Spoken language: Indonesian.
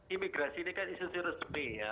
imigrasi ini kan institusi resmi ya